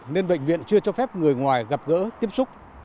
nên bệnh viện chưa cho phép người ngoài gặp gỡ tiếp xúc